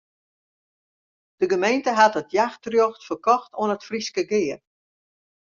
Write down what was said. De gemeente hat it jachtrjocht ferkocht oan it Fryske Gea.